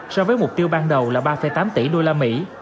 so với mục tiêu ban đầu là ba tám tỷ đô la mỹ